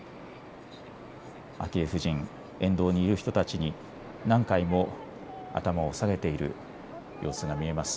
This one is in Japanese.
昭恵夫人、沿道にいる人たちに何回も頭を下げている様子が見えます。